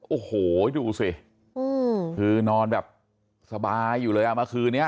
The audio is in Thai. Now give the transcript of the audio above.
โอ้โหดูสิคือนอนแบบสบายอยู่เลยอ่ะเมื่อคืนนี้